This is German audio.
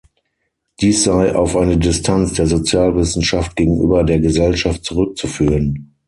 Dies sei auf eine Distanz der Sozialwissenschaft gegenüber der Gesellschaft zurückzuführen.